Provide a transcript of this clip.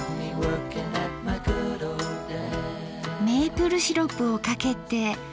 メープルシロップをかけて。